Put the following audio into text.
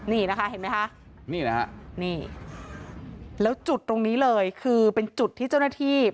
นี่นะคะเห็นไหมคะนี่นะฮะนี่แล้วจุดตรงนี้เลยคือเป็นจุดที่เจ้าหน้าที่